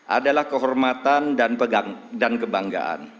adalah kehormatan dan kebanggaan